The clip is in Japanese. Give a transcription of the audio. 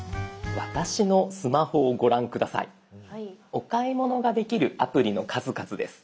お買い物ができるアプリの数々です。